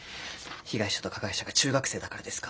被害者と加害者が中学生だからですか。